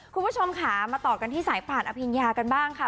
คุณผู้ชมค่ะมาต่อกันที่สายป่านอภิญญากันบ้างค่ะ